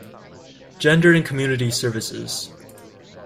Gender and Community Services.